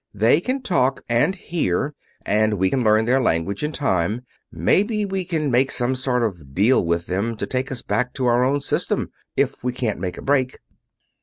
They can talk and hear, and we can learn their language in time. Maybe we can make some kind of a deal with them to take us back to our own system, if we can't make a break."